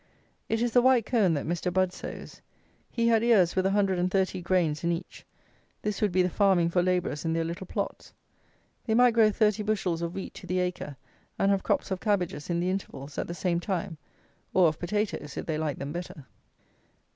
It is the white cone that Mr. Budd sows. He had ears with 130 grains in each. This would be the farming for labourers in their little plots. They might grow thirty bushels of wheat to the acre, and have crops of cabbages, in the intervals, at the same time; or, of potatoes, if they liked them better.